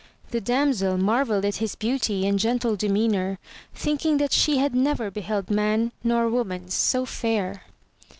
The damsel marvelled at his beauty and gentle demeanour, thinking that she had never beheld man nor woman so fair.